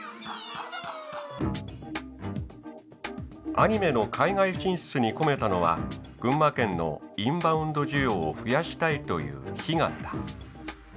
アニメの海外進出に込めたのは群馬県のインバウンド需要を増やしたいという悲願だ。